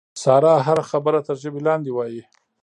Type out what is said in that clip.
ساره هره خبره تر ژبې لاندې وایي.